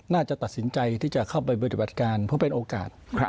น่าจะตัดสินใจที่จะเข้าไปปฏิบัติการเพราะเป็นโอกาส